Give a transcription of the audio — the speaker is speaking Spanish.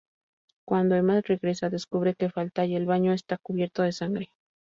Cuando Emad regresa, descubre que falta y el baño está cubierto de sangre.